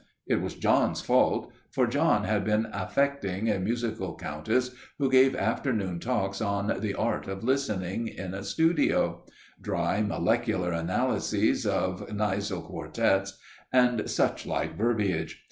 It was John's fault, for John had been affecting a musical countess who gave afternoon talks on the "art of listening," in a studio dry molecular analyses of Kneisel Quartets and such like verbiage.